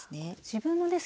自分のね